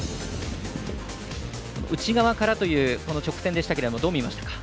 内側からという直線でしたけどもどう見ましたか？